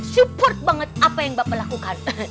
support banget apa yang bapak lakukan